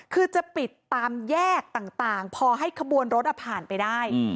คือจะปิดตามแยกต่างพอให้ขบวนรถผ่านไปได้